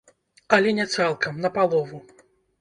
Але не цалкам, на палову.